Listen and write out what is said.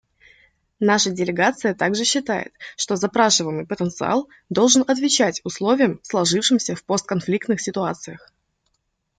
Наша делегация также считает, что запрашиваемый потенциал должен отвечать условиям, сложившимся в постконфликтных ситуациях.